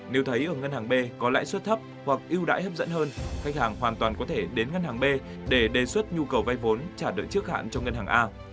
nếu thấy ở ngân hàng b có lãi suất thấp hoặc ưu đãi hấp dẫn hơn khách hàng hoàn toàn có thể đến ngân hàng b để đề xuất nhu cầu vay vốn trả đợi trước hạn cho ngân hàng a